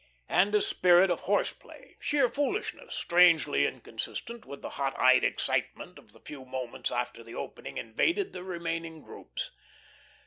And a spirit of horse play, sheer foolishness, strangely inconsistent with the hot eyed excitement of the few moments after the opening invaded the remaining groups.